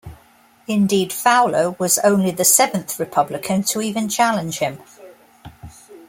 Indeed, Fowler was only the seventh Republican to even challenge him.